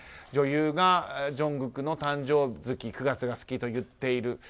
女優がジョングクの誕生月９月が好きと言っている。